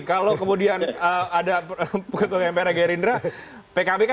kalau kemudian ada ketua mpr nya gerindra